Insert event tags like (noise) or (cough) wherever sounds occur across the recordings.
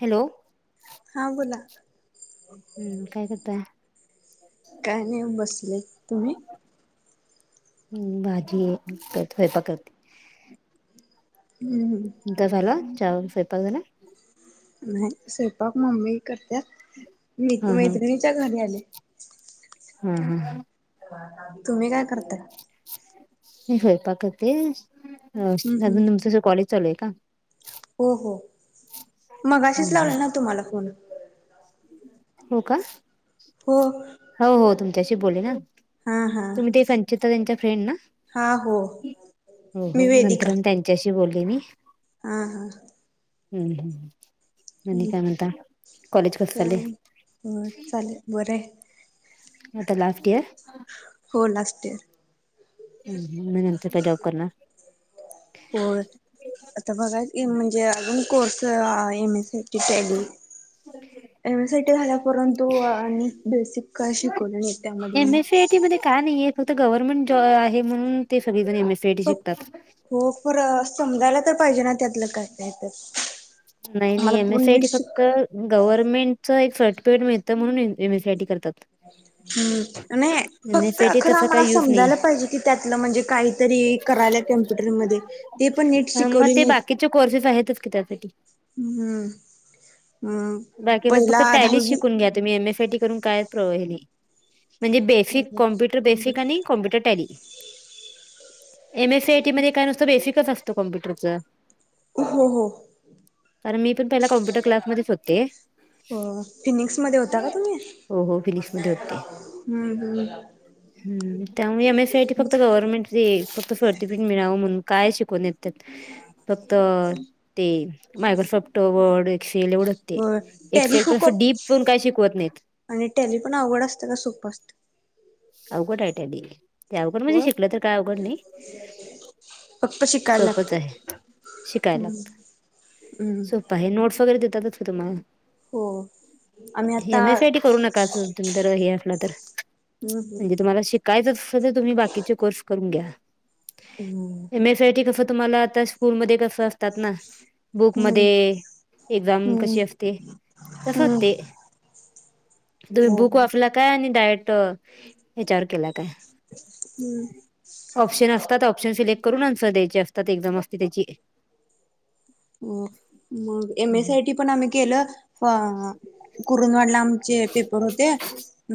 Hello! हा बोला, हम्म काय करताय काय नाहीे बसलोय, तुम्ही? हम्म भाजी आहे नुसता स्वयंपाक करते हम्म हम्म तुमचा झाला चहा वगैरे स्वयंपाक झाला? नाही स्वयंपाक मम्मी करत्या मी हा इथं हा मैत्रिणीच्या घरी आले हा हा हा तुम्ही काय करताय? मी स्वयंपाक करते अ हम्म हम्म अजुन तुझं कॉलेज चालु आहे का? हो हो हम्म, मगाशीच हम्म. लावले ना तुम्हाला फोन हो का. हो. हो हो तुमच्याशी बोलले ना हा हा तुम्ही ते संचिता ताईंच्या फ्रेंड ना हा हो होय मी होय वेदिका नंतर अण तें च्याशी बोललोय मी हा हा. हम हम अणि हम्म. काय म्हणता? कॉलेज कसं काय चाललंय हो हो चाललय बरं हाय आता लास्ट इयर? हो लास्ट इयर, मग नंतर काय जॉब करणार? होय. आता बघायच एम म्हणजे, अजून कोर्स एम एसीची टॅली (unintelligible) एमएस-सीआयटी झाल्या परंतु आणि बेसिक काय शिकवलं नाही त्यामध्ये मग का नईये फक्त गव्हर्नमेंट जॉ आहे म्हणून ते सगळेजण एमएस-सीआयटी फक्त शिकतात हो पर, समजायला तर पाहिजे ना त्यातलं काय नाही तर नाही नाही आम्हाला पण नीट एमएस-सीआयटी शिक फक्त गव्हर्नमेंटच एक सर्टिफिकेट मिळतं म्हणून एमएस-आयटी करतात हम् न‌ईए. एम एस फक्त सी आय टी अखरा तसा मला काही यूज नाही समजायला पाहिजे की त्यातलं म्हणजे काहीतरी करायल्यात कॅम्प्युटरमध्ये म ते बाकीचे कोर्सेस आहेतच की त्यासाठी हम्. उम्ब. बाकी बस फक्तं टॅली शिकुन घ्या तुम्ही एमएस-सी आयटी करुण काय प्रो हेली. म्हणजे बेसिक, कॉम्प्युटर बेसिक आणि कॉम्प्युटर कॉम्प्युटर टेॅली एमएस-सीआयटी मध्ये काय नुसतं बेसिकच असत काॅम्प्युटरचं हो हो. कारण मी पणं पहिला कॉम्पुटर क्लासमध्येच होते हो.. ओ.. फिनिंक्स मध्ये होता का तुम्ही? हो हो फिनिंक्स मध्ये होते. हम् हम्. आपलं गाव. हम््त्यामुळे एमएस-सीआयटी फक्त गव्हर्नमेंट ते फक्त सर्टिफीकेट मिळावं म्हणून. काय शिकवत नाहीत त्यात फक्त अ ते मायक्रोसॉफ्ट वर्ड एक्सेल एवढ ते. हो टॅली एक्सेल पण अस हुकअप डीप पण काय शिकवत नाहीत. आणि टॅली पण आवघड आसत का सोप आसतं. आवघड आहे टॅली. ते आवघड म्हणजे होय. शिकलं तर काय आवघड नई. फक्त शिकायला सोपच लागतं आहे. शिकाय लागत. उ्मम्. प हे नोट्स वगैरे देतातच की तुम्हांला. हो आम्ही आता एम एस आय टी करू नक काआजून तुम्ही जर हे असला तर, हम्म हम्म. म्हणजे तुम्हाला शिक काय तर सध्या तुम्ही, बाकीचे कोर्स करून घ्या. उं्म. एमएस-सीआयटी कसं तुम्हाला आता स्कूल मध्ये कसं असतात ना. बुकमध्ये हम्म ए एक्झाम हम्म कशी असते, हम्म तसच ते. तुम्ही हो बुक हो वाचला काय आणि डायेट अ हेच्यावर केला काय हम्. ऑप्शन आसतात ऑप्शन सिलेक्ट करूनच अन्सर द्यायचे असतात एक्झाम असते त्याची. अ मग हम् एमएस-सीआयटी पण आम्ही केलं. अ कुरुंदवाडला आम् चे पेपर होते.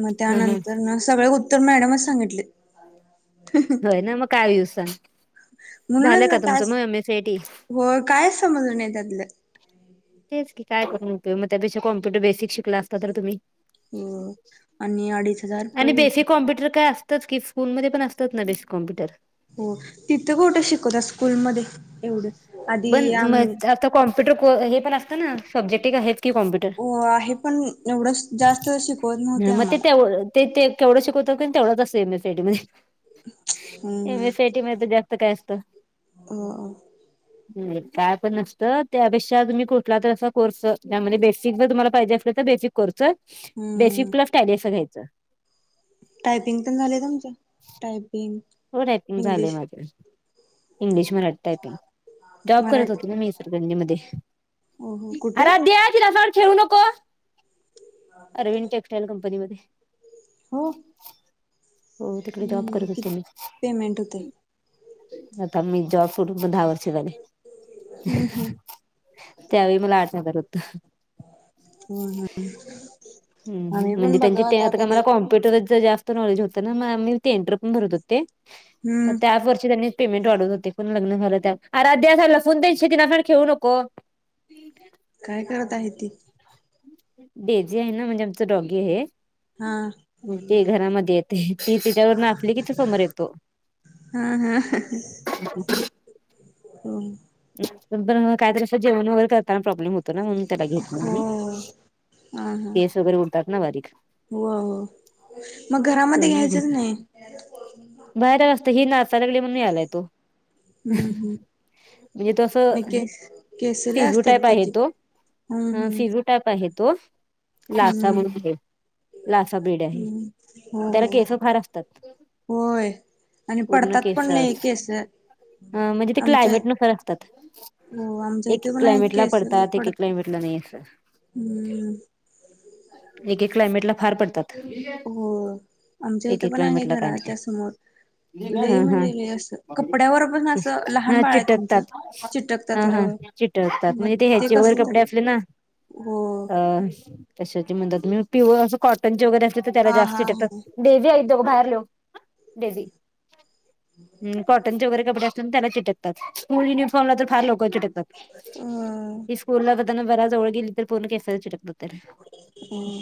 मग हम. त्यानंतरन सगळे उत्तर मॅडमच सांगितले. होय न मग काय यूज सांग. म्हणूनच झालं का न काय. तुमचं मग M S C I T होय कायच समजल नाही त्यातलं. तेच की काय करून उपयोग, त्याबेक्षा कॉम्प्युटर बेसिक शिकला असता तर तुम्ही. हो आणि अडीच हजार आणि रुपये घेतले. बेसिक कॉम्प्युटर काय आसतच कीच. फोनमध्ये पण असतात ना बेसिककॉम्प्युटर. हो तिथं कुठं शिकवत्यात स्कूलमध्ये. एवढं. आधी पण म आम्ही आता कॉम्प्युटर को हे पण असतं ना सब्जेक्ट एक आहेच की कॉमप्युटर हो आहे पण एवढं जास्त शिकवत नव्हते मग ते आम्हाला तेव ते ते तेवढंच शिकवतात कणी तेवढंच असंतसे, सेटमध्ये एम हम्म एस आय टी मध्ये जास्त काय असतं? हम्म नाही काय पण नसत त्यापेक्षा तुम्ही कुठला तर असा कोर्स त्यामध्ये बेसिक जर तुम्हाला पाहिजे असल तर बेसिक कुडच बेसिक हम्म प्लस कायले अस घ्यायचं. टायपिंग पण झाले का आमच्या टायपिंग. हो टायपिंग झालंय इंग्लिश माझ इंग्लिश मिडिम टाईपींग जॉब करत होती ना मराठी मी इचलकरंजीमध्ये हो हो कुठं आराध्या तिला खेळू नकोस अरविंद टेक्सटाईल कंपनीमध्ये. हो हो तिकडे जॉब हम्म करत कि होते मी. पेमेंट होते आता मी जॉब करून पण दहा वर्ष झाली. हम्म हम्म त्यावेळी मला आठवलं हो ह हम्म आम्ही म्हणजे पण त्यांचे बघा ते आता मला कॉम कॉम्प्युटरच जास्त नॉलेज होते ना मी टेंडर पण भरत होते मग हम्म त्याच वर्षी त्यांनी पेमेंट वाढवत होते पण लग्न झालं त्यात आराध्या अस लसूण दे शितेला म्हण खेळू नको (unintelligible) काय करत आहे ती? डेझी आहे ना म्हणजे आमचं डॉगी आहे. हा ते घरामध्ये येते ती -तिच्यावरून असली कि तो समोर येतो. हा -हा (inaudible) हो. नंतर, काहीतरी असं जेवण वगैरे करताना प्रॉब्लेम होतो ना म्हणून त्याला घेत नाही हो मी. हा हा केस वगैरे उडतात ना बारीक हो हो मग घरामध्ये त्यामुळे घेत नाही घ्यायचंच ही नाचालागलेय म्हणून आलाय तो. हम्म- हम्म म्हणजे तो नाय, असं केस- केस लय फिजू असत्यात त्याची. हम्म -हम्म पोटात आत आहे तो याचा महणजे हे हम् त्याला केस हा-हा फार असतात होय. आणि पडतात पण लय केसं. हा अ, म्हणजे ते क्लायमेट न परततात हो आमच्या एक -एक इथे पण आहेत क्लायमेटला केस लय पडतात. एक- एक क्लायमेटला नाही अस. हम्म... एकेक क्लायमेटला फार पडतात, हो (unintelligible) आमच्या इथं एकेक पण आहे क्लायमेटला काय नाही. घराच्या समोर (unintelligible) लय हा- म्हणजे लय असं हा कपड्यावर पण असं लहान -हा बाळ आहे त्यांचं चिटकतात चिटकतात हा- हा. हो चिटकतात, मग म्हणजे ते ह्याचे वगैरे कसं तर कपडे असले ना. हो अ कशाचे म्हणतात, पिहू-प्युअर असं कॉटनचे वगैरे असले तर त्याला हा जास्त हा हा चिटकतात डेवी आ इ दो बाहेर लो डेबी हम्म कॉटनचे वगैरे कपडे त्याला चिटकतात, स्कूल युनिफॉर्मला तर फार लवकर चिटकतात अ ही स्कूल धनू बरा जवळ गेली तर पूर्ण केसाला चिटकतात त्याला. अ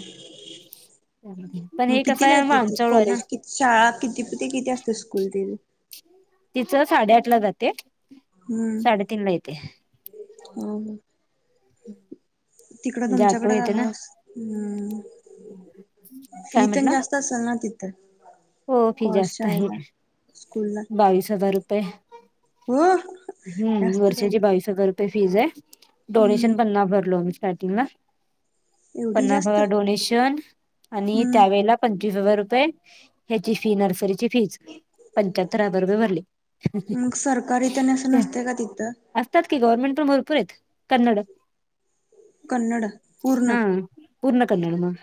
पण मग हे कस हाय कितीला येते आमच्या ती जवळ हैना ना. कॉलेज कि शाळा किती किती किती असते स्कूल तीला. तिचं साडेआठला जाते, साडेतीनला येते. हाम्म, हो ना, हम् (inaudible) तिकडं तुमच्याकड काय मास (unintelligible) काय फी तेन म्हटलं जास्त जास्त असंल ना तिथं? हो, फी को जास्त आहे, शाळेला स्कूल ला बावीस हजार रुपये. हो हम्म जास्तच आहे वर्षाची की बावीस हजार रू रूपेय फीज आहे, हम्म डोनेशन पण नाय भरलो आम्ही स्टार्टिंगला. एवढी पन्नास जास्त हजार डोनेशन आणि हम्म त्यावेेळेला पंचवीस हजार रुपये हेची फी, नर्सरीची फीज पंच्याहत्तर हजार रुपये भरले. ही, ही, मग सरकारी तेन असं ही हं नसतय का तिथं असत्यात की, गव्हर्नमेंट पण भरपूर आहेत. कन्नड कन्नड पूर्ण हा पूर्ण कन्नड म.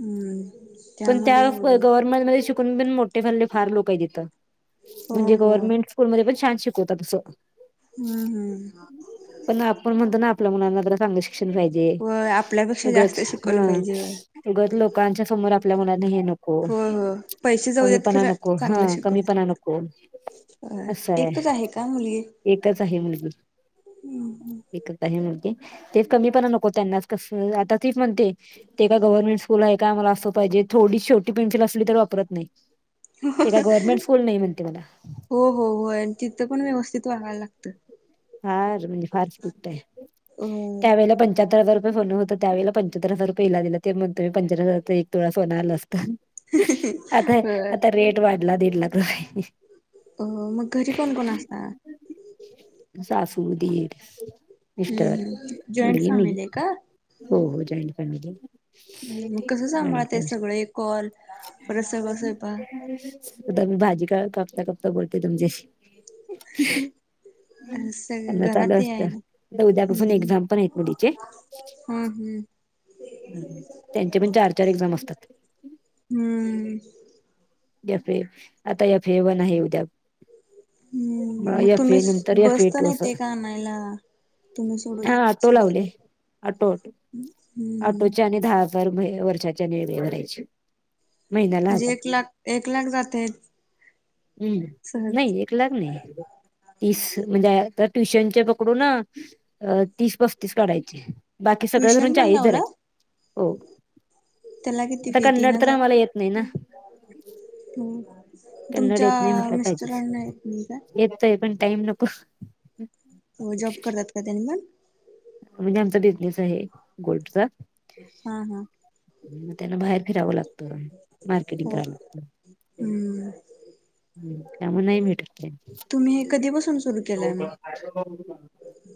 हम्म... पण त्यामध्ये त्याफ अवघड होतं. गव्हर्नमेंटमध्ये शिकून पण मोठे झालेले फार लोक आहेत इथं हो म्हणजे हो गव्हर्नमेंट स्कूलमध्ये पण छान शिकवतता तसं. हाम, हा (unintelligible) पण आपण म्हणतो ना आपल्या मुलांना जरा शिक शिलगायी जे, होय आपल्यापेक्षा जास्त उगच हा शिकवलं पाहिजे होय उगच लोकांच्या समोर आप आपल्या मुलांना हे नको, होय होय पैसे जाऊ देत कमीपणा खरं नको हा चांगलं शिकवलं कमीपणा नको. असाय, एकच आहे का मुलगी एकच आहे मुलगी. हे करता हे म्हणते तेच कमीपणा नको त्यांनाच कस आता तीच म्हणते ते एका गव्हर्नमेंट स्कूल आहे का, आम्हाला अस पाहिजे, थोडी छोटी पेन्सिल असली तर वापरत नाही, ते काय गव्हर्नमेंट स्कूल नाही म्हणते मला. हो -हो होय, आणि तिथं पण व्यवस्थित वागायला लागतय. फार म्हणजे फार स्ट्रिक्टाय आहे अ त्यावेळेला पंचाहत्तर हजार रुपये फोन हो त त्यावेळे पंच्चाहत्तर हजार रुपये हिला दिल, ते म्हणतोय मी पंच्चाहत्तर हजार एक तोळा सोनं आल असत. आता -आता रेट वाढला दीड लाख जाईल अ मग घरी कोण कोण असता? सासू, दिर, हम्म मिस्टर, हम् जॉईंट मुली, मी. फॅमिली आहे का हो हो जॉइन्ट फॅमिली मग आहे, कसं सांभाळत जॉइन्ट ते फॅमिली सगळे कॉल (inaudible) परत सगळं स्वयंपाक आ मी भाजी का कापता कापता बोलते तुमच्याशी सगळ त्यांना घरात चालू ते असत, आहे ना उद्यापासून हम्म एक्झाम पण आहेत ना गुड्डीचे. हम्म हम्म ह त्यांचे पण चार, चार एक्झाम असतात हम्म याफे आता या फेवणा आहे उद्या म हम्म मग या तुम्ही फे नंतर या बस फे तर टोहु नेते अस का आणायला तुम्ही सोडू हा आटो लावले सोडायला आटो अटो, हम्म हम्म आटोचे आणि दहा दर महिने वर्षाच्या येनि भरायचे. महिन्याला म्हणजे हजार एक लाख, एक लाख जातेत हम्म, नाही एक लाख नाही, तीस म्हणजे ट्युशन पकडू अं अ तीस पस्तीस काढायचे, बाकी सगळं धरून ट्युशन पण चाळीस लावला धरायचे, हो त्याला आता कन्नडतर आम्हाला येत नही ना कन्नड तुम-तुमच्या मिस्टराना येत नाही का? येतोय पण टाईम नको हो जॉब करतात का त्यानी मग म्हणजे आमचा बिझनेस आहे गोल्डचा हा हा मग त्यांना बाहेर फिरावं लागतं मार्केटिंग हो करायला हम्म हम् त्यामुळे नाही भेटत टाईश तुम्ही हे ते. कधीपासून सुरू हो केलंय का मग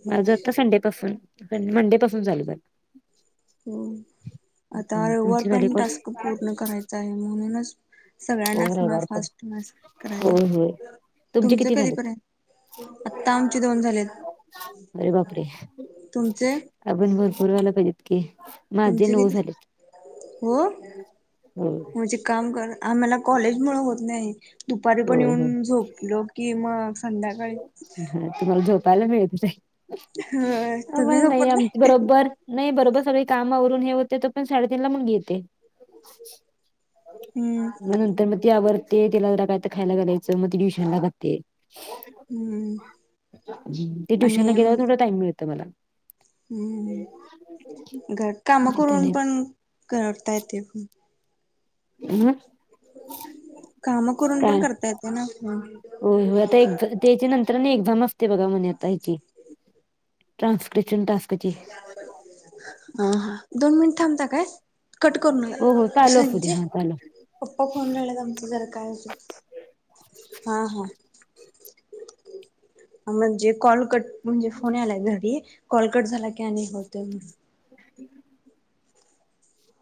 माझं आता संडे पासून संड मंडे पासून झालं चालू हो आता रवीवार तुमचे झाले पर्यंत कोर्स टास्क पूर्ण करायचा आहे म्हणूनच हो सगळ्यांनाच रविवार मस पण फास्ट मस होय होय करायलोय तुमचे तुमचं किती कधी झालेत करायलाय आता आमचे दोन झालेत, तुमचे? आजून भरपूर व्हायला पाहिजेत की माझे तुमचे नऊ किती झालेत हो, होय म्हंजे काम करत आम्हाला कॉलेज मुळं होत नाही, दुपारी पण होय होय येऊन झोपलो की मग संध्याकाळी हा तुम्हाला झोपायला मिळतय होय तुम्ही आम्हाला नाही झोपत आमचं बरोबर नाही बरोबर सगळी कामावरून हे होतय तोवर साडेतीन मग जेवतोय हम्म मग नंतर मग ती आवरते तिला जरा काय तर खायला घालायचं मग ट्युशनला जाते हम्म ते ट्युशनला आणि गेल्यावर तेवढा टाइम मिळतोय मला हम हम हम घरात कामं आता करून नाही पण करता येते हो मग काम करून पण काय करता येतय ना? होय हो आता एक्झ त्याच्या नंतरनं एक्झाम असते बघा म्हणे आता हेची ट्रानस्क्रेशन टास्क हा हा दोन मिनिटं थांबता काय? कट करून हो हो लाव चालू असू दे संजी हा चालू पप्पा फोन लावल्यात आमचं जरा काय होतय हा हा म्हणजे कॉल कट म्हणजे फोन यालाय घरी कॉल कट झाला की नाही होतय म्हण (inaudible)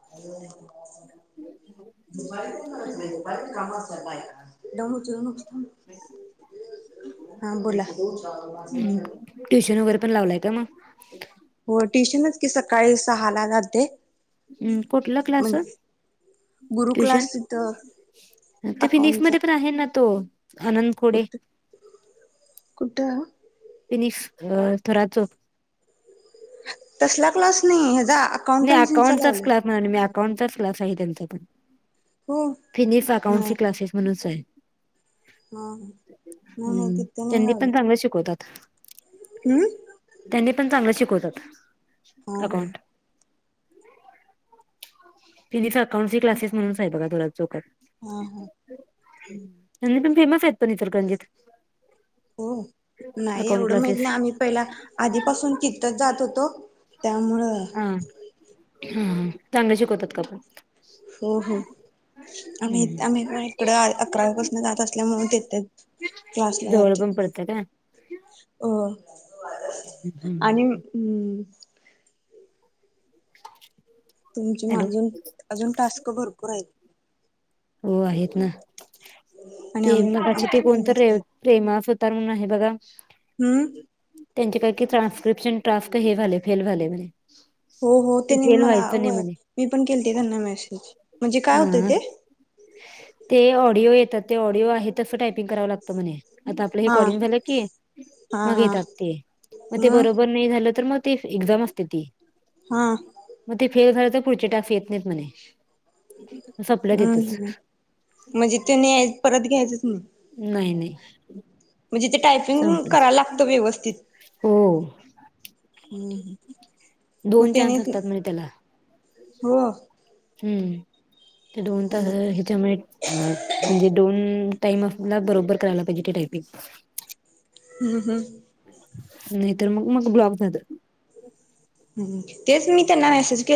(inaudible) हम् (unintelligible) दुपारचं तेन करायचं नाही दुपारी कामं असात्यात बायकांना हा बोला ट्युशन वगैरे पण लावलाय का? मग अच्छा (unintelligible) होय ट्यूशनच की सकाळी सहा ला जाते. हम् कुठला? क्लास मग गुरु ट्युशन क्लास तिथं ते फिनिक्स अकाउंटचा मध्ये पण आहे ना तो आनंद खोडे कुठ कुठं? ओ फिनिक्स अ थोरात चौक तसला क्लास नाही हेजा नाही अकाउंटचाच क्लास म्हणालोय मी अकाउंटचाच क्लास आहे त्यांचा पण हो फिनिक्स अकाउंटची नाही क्लासेस म्हणूनच आहे हा नाही नाही हम्म तिथे नाही त्यांनी लावले पण चांगलं शिकवतात. हम्म त्यांनी पण चांगलं शिकवतात हा हा अकाउंट फिनिस अकाउंटसी क्लासेस म्हणूनच आहे बघा थोरात चौकात हा हा आणि पण फेमस आहेत पण इचलकरंजीत होय नाही अकाउंट एवढं माहीत क्लासेस नाही आम्ही पहिला आधी पासून तितच जात होतो त्यामुळं हा हा हा चांगले शिकवतात का पण हो हो आम्ही हम्म इथ हम्म. आम्ही मग इकडं अकरावीपासनं जात असल्यामुळे देत्यात जवळ पण पडतय काय होय आणि हम् (inaudible) तुमची हॅलो अजून अजून टास्क भरपूर आहेत. हो आहेत ना आणि ते आम मगाच्या ते आमचे कोण पण तरी जास्त आहेत. प्रेमा सुतार म्हणून आहे बघा हम्म त्यांचे काही की ट्रान्स्क्रिप्शन टास्क हे झालय फेल्ड झालय म्हणे हो हो ते तेनी फेल मला व्हायचं नाही व म्हणे मी पण केलते त्यांना मेसेज म्हणजे काय होतय हा ते ते ऑडिओ येतात ते ऑडिओ आहेत तस टायपिंग करावं लागतं म्हणे आता आपलं हे हा कॉलिंग झालं की हा मग हा येतात ते मग ते बरोबर नाही झालं तर मग ते एक्झाम असतं ते हां मग ते फेल झालं तर पुढचे टास्क येत नाहीत म्हणे संपलं तितच ते नाही परत घ्यायचंच नाही नाही नाही म्हणजे ते टायपिंग संपलं करायला लागतं व्यवस्थित हो हम्म मग दोन त्याने चान्स असतात म्हणे त्याला हो हम्म ते दोन तास हच्यामुळे (unintelligible) म्हणजे दोन टाइम आपल्याला बरोबर करायला पाहिजे ते टायपिंग हम हम नाही तर मग मग ब्लॉक जातं तेच मी त्यांना मेसेज के